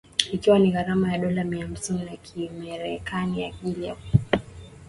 Ikiwa na gharama ya dola mia hamsini za kimerekani kwa ajili ya kukagua ubora wa hewa kwenye jiji la Kampala.